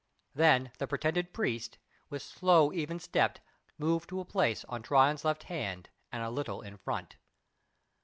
Then the pretended priest, with slow, even step, moved to a place on Tryon's left hand and a little in front.